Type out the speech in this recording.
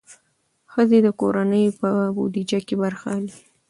ښځې د کورنۍ په بودیجه کې برخه اخلي.